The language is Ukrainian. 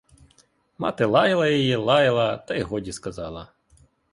Мати лаяла її, лаяла, та й годі сказала.